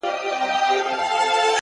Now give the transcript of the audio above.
ځوان دعا کوي;